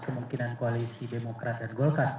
kemungkinan koalisi demokrat dan golkar